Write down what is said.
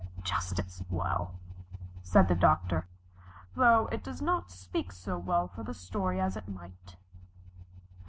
"Just as well," said the Doctor, "though it does not speak so well for the story as it might."